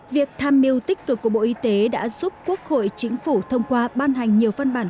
việc tham mưu tích cực của bộ y tế đã giúp quốc hội chính phủ thông qua ban hành nhiều văn bản